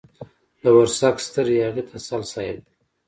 د ورسک ستر ياغي تسل صاحب دی.